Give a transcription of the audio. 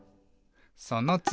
「そのつぎ」